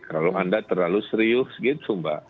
kalau anda terlalu serius gitu mbak